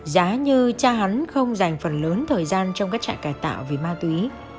giá như cha hắn không dành phần lớn thời gian trong các trại cải tạo về ma túy